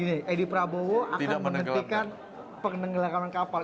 edi prabowo akan menghentikan penenggelakan kapal